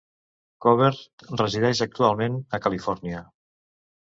Covert resideix actualment a Califòrnia.